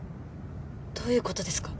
どういうことですか？